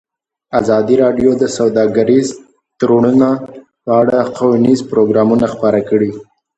ازادي راډیو د سوداګریز تړونونه په اړه ښوونیز پروګرامونه خپاره کړي.